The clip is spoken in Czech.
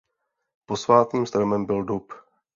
Posvátným stromem byl dub.